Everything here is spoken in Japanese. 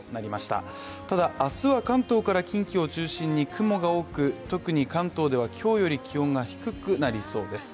ただ、明日は関東から近畿を中心に雲が多く、特に関東では今日より気温が低くなりそうです。